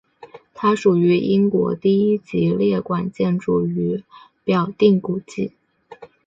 它属于英国第一级列管建筑与表定古迹。